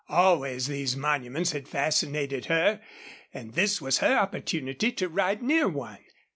Always these monuments had fascinated her, and this was her opportunity to ride near one.